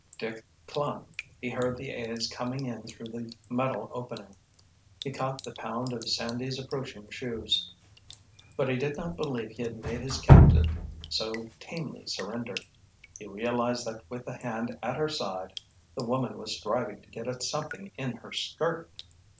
Dick clung. He heard the aides coming in through the metal opening. He caught the pound of Sandy's approaching shoes. But he did not believe he had made his captive so tamely surrender. He realized that with a hand at her side the woman was striving to get at something in her skirt.